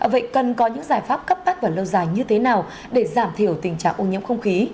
vậy cần có những giải pháp cấp bách và lâu dài như thế nào để giảm thiểu tình trạng ô nhiễm không khí